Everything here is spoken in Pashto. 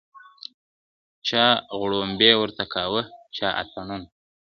چا غړومبی ورته کاوه چا اتڼونه `